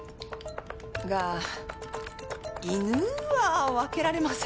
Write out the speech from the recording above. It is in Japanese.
が犬は分けられませんよね。